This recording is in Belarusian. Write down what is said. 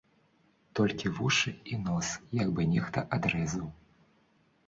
Толькі вушы і нос як бы нехта адрэзаў.